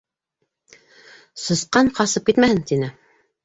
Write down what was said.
Сысҡан ҡасып китмәһен, тине!